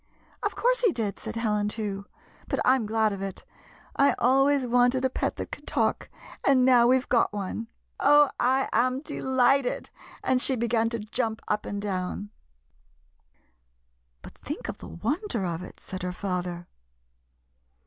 " Of course, he did," said Helen, too ;" but I 'm glad of it. I always wanted a pet that could talk, and now we 've got one. Oh ! I am delighted !" and she began to jump up and down. 63 GYPSY, THE TALKING DOG " But think of the wonder of it," said her father.